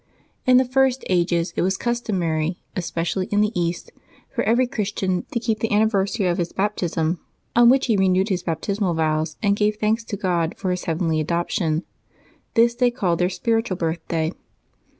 In the first ages it was customary, es pecially in the East, for every Christian to keep the anni versary of his Baptism, on which he renewed his baptismal vows and gave thanks to God for his heavenly adoption: this they called their spiritual birthday.